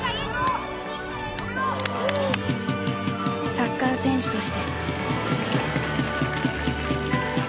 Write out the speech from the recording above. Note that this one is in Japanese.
サッカー選手として。